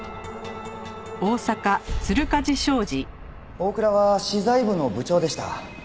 大倉は資材部の部長でした。